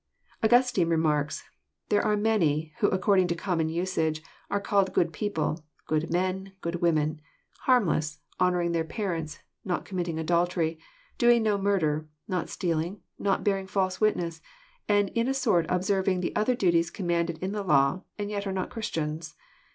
Augustine remarks :" There are many, who according to common usage, are called good people, good men, good women, harmless, honouring their parents, not committing 'adultery, doing no murder, not stealing, not bearing false witness, and in a sort observing the other duties commanded in the law, and yet are not Christians.